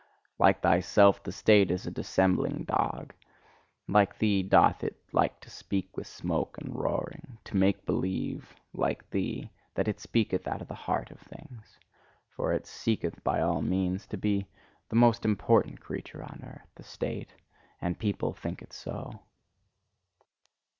Like thyself the state is a dissembling dog; like thee doth it like to speak with smoke and roaring to make believe, like thee, that it speaketh out of the heart of things. For it seeketh by all means to be the most important creature on earth, the state; and people think it so."